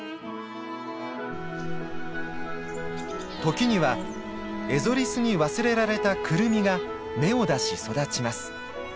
時にはエゾリスに忘れられたクルミが芽を出し育ちます。